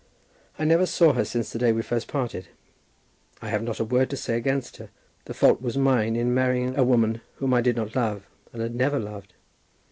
I never saw her since the day we first parted. I have not a word to say against her. The fault was mine in marrying a woman whom I did not love and had never loved.